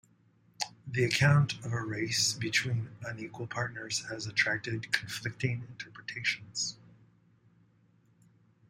The account of a race between unequal partners has attracted conflicting interpretations.